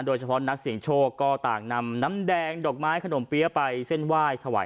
โดยเฉพาะนักเสียงโชคก็ต่างนำน้ำแดงดอกไม้ขนมเปี๊ยะไปเส้นไหว้ถวาย